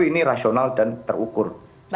ini rasional dan terukur